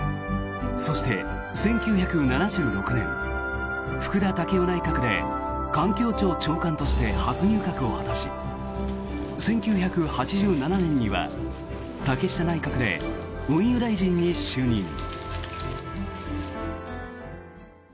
そして、１９７６年福田赳夫内閣で環境庁長官として初入閣を果たし１９８７年には竹下内閣で運輸大臣に就任。